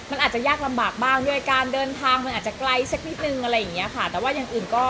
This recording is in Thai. อาจจะยากลำบากบ้างด้วยการเดินทางมันอาจจะไกลนิดนึงอะไรอย่างเนี่ยค่ะ